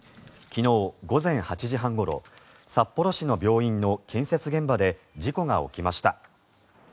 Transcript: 昨日午前８時半ごろ札幌市の病院の建設現場で事故が起きました。